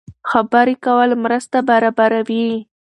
خبرې کول مرسته برابروي.